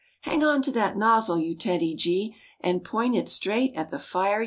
Hang on to that nozzle, you TEDDY G, And point it straight at the fire you see.